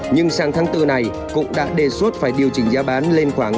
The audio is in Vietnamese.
nhưng sang tháng bốn này cũng đã đề xuất phải điều chỉnh giá bán lên khoảng năm bảy